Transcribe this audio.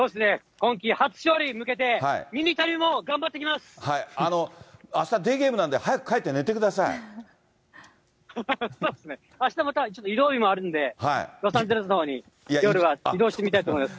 今季初勝利に向あした、デーゲームなんで、そうですね、あしたまた、移動日もあるんで、ロサンゼルスのほうに、夜は移動してみたいと思います。